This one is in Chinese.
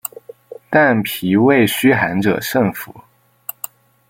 但脾胃虚寒者慎服。